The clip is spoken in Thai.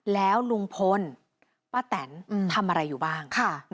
แล้วลุงพลป้าแตนทำอะไรอยู่บ้าง